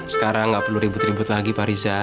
sekarang nggak perlu ribut ribut lagi pak riza